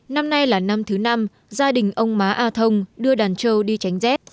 năm nay là năm thứ năm gia đình ông má a thông đưa đàn trâu đi tránh rét